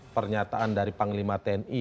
pernyataan dari panglima tni